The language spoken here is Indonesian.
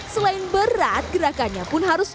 selain berat gerakannya pun harus